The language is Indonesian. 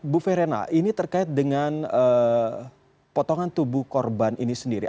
bu verena ini terkait dengan potongan tubuh korban ini sendiri